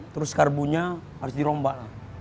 terus karbunya harus dirombak